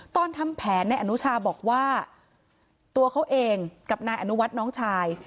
ทำแผนในอนุชาบอกว่าตัวเขาเองกับนายอนุวัฒน์น้องชาย